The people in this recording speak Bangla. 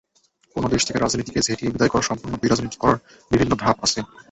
কোনো দেশ থেকে রাজনীতিকে ঝেঁটিয়ে বিদায় করে সম্পূর্ণ বিরাজনীতি করার বিভিন্ন ধাপ আছে।